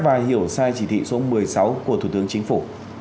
và hiểu sai chỉ thị số một mươi sáu của thủ tướng chính phủ